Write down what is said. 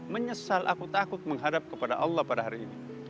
menyesal aku takut menghadap kepada allah pada hari ini